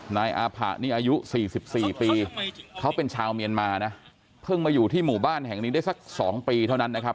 นายอาผะนี่อายุ๔๔ปีเขาเป็นชาวเมียนมานะเพิ่งมาอยู่ที่หมู่บ้านแห่งนี้ได้สัก๒ปีเท่านั้นนะครับ